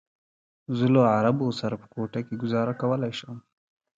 زه له عربو سره په کوټه کې ګوزاره کولی شم.